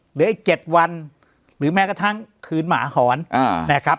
เหลืออีก๗วันหรือแม้กระทั่งคืนหมาหอนนะครับ